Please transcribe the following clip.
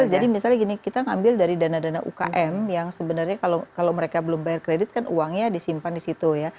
jadi misalnya gini kita ambil dari dana dana ukm yang sebenarnya kalau mereka belum bayar kredit kan uangnya disimpan di situ ya